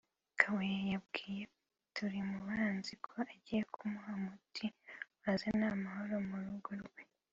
Kabuye yabwiye Turimubanzi ko agiye kumuha umuti wazana amahoro mu rugo rwe